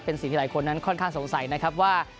เป็นสิ่งที่หลายคนนั้นค่อนข้างสงสัยนะครับว่า